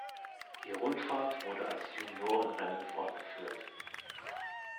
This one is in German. Die Rundfahrt wurde als Juniorenrennen fortgeführt.